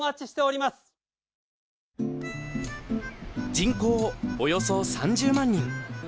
人口およそ３０万人。